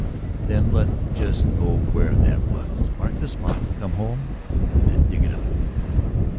"Then let's just go where that was mark the spot, come home and then dig it up."